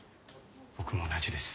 僕も同じです。